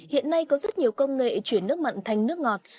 hiện nay có rất nhiều công nghệ chuyển nước mặn thành nước ngọt